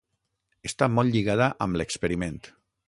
Està molt lligada amb l'experiment.